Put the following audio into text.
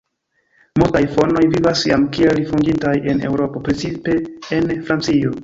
Multaj fonoj vivas jam kiel rifuĝintaj en Eŭropo, precipe en Francio.